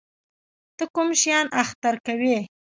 ته کوم شیان اختر کوې؟